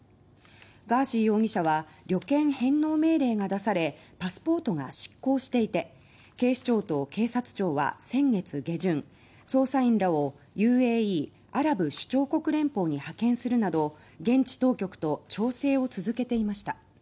ガーシー容疑者は旅券返納命令が出されパスポートが失効していて警視庁と警察庁は先月下旬捜査員らをＵＡＥ・アラブ首長国連邦に派遣するなど現地当局と調整を続けていました。